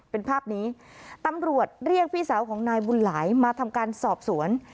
เป็นภาพนี้ตำรวจเรียกพี่สาวของนายบุญหลายมาทำการสอบสวน